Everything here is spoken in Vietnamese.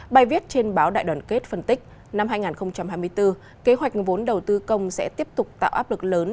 bài viết trên báo đại đoàn kết phân tích năm hai nghìn hai mươi bốn kế hoạch vốn đầu tư công sẽ tiếp tục tạo áp lực lớn